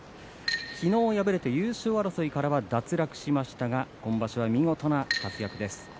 昨日、敗れて優勝争いから脱落しましたが今場所は見事な活躍です。